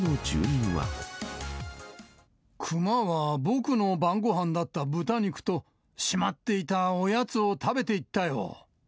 クマは僕の晩ごはんだった豚肉と、しまっていたおやつを食べていったよ。